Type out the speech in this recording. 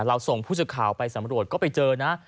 ส่งผู้สื่อข่าวไปสำรวจก็ไปเจอนะ